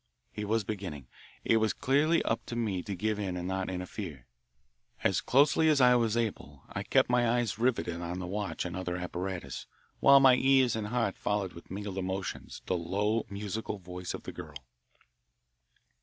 He was beginning. It was clearly up to me to give in and not interfere. As closely as I was able I kept my eyes riveted on the watch and other apparatus, while my ears and heart followed with mingled emotions the low, musical voice of the girl.